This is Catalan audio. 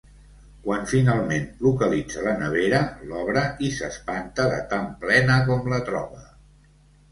Quan finalment localitza la nevera l'obre i s'espanta de tan plena com la troba.